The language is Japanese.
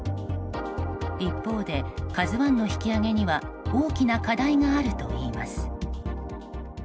一方で「ＫＡＺＵ１」の引き揚げには大きな課題があるといいます。